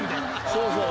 そうそう。